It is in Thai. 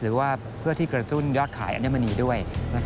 หรือว่าเพื่อที่กระตุ้นยอดขายอัญมณีด้วย